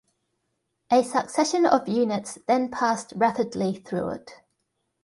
A succession of units then passed rapidly through it.